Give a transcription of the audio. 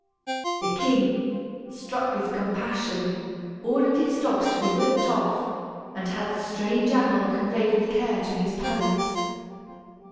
The king, struck with compassion, ordered his dogs to be whipped off, and had the strange animal conveyed with care to his palace.